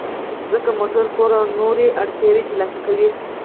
ځکه موټر، کور او نورې اړتیاوې ترلاسه کوئ.